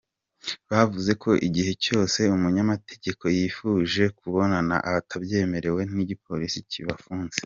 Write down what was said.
Bavuze ko igihe cyose umunyamategeko yifuje kubabona atabyemerewe n'igipolisi kibafunze.